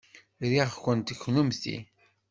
Riɣ-kent kennemti.